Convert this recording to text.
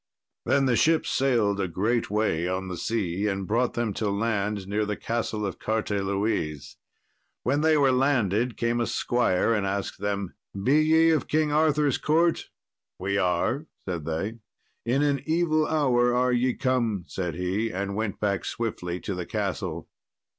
Then the ship sailed a great way on the sea, and brought them to land near the Castle of Carteloise. When they were landed came a squire and asked them, "Be ye of King Arthur's court?" "We are," said they. "In an evil hour are ye come," said he, and went back swiftly to the castle.